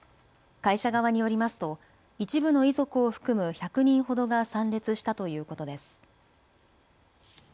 会社側によりますと一部の遺族を含む１００人ほどが参列したということです。